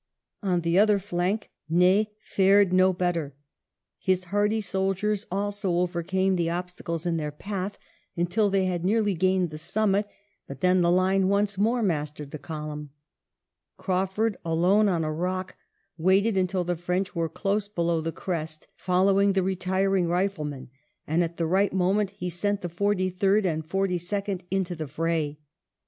On the other flank Ney fared no better. His hardy soldiers also overcame the obstacles in their path until they had nearly gained the summit, but then the line once more mastered the column. Craufurd, alone on a rock, waited until the French were close below the crest, following the retiring riflemen, and at the right moment he sent the Forty third and Fifty second into the fray.